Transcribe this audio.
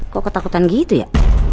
kok ketakutan gitu ya